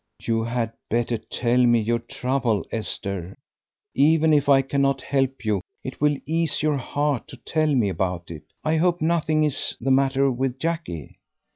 "You had better tell me your trouble, Esther; even if I cannot help you it will ease your heart to tell me about it. I hope nothing is the matter with Jackie?"